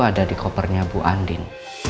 ada di kopernya bu andin